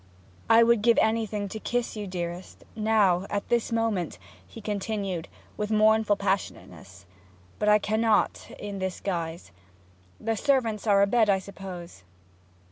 'I would give anything to kiss you, dearest, now, at this moment!' he continued, with mournful passionateness. 'But I cannot in this guise. The servants are abed, I suppose?'